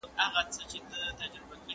تاسي په خپلو ملګرو کي محبوب یاست.